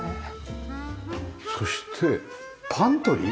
そしてパントリー？